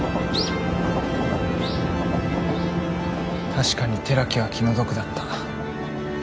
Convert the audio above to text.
確かに寺木は気の毒だった。